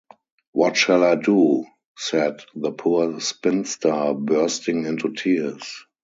‘What shall I do!’ said the poor spinster, bursting into tears.